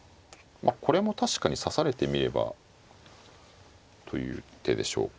これも確かに指されてみればという手でしょうか。